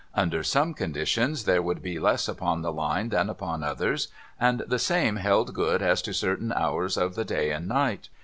Under some con ditions there would be less upon the Line than under others, and the same held good as to certain hours of the day and night.